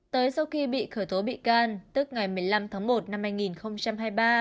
tới sau khi bị khởi tố bị can tức ngày một mươi năm tháng một năm hai nghìn hai mươi ba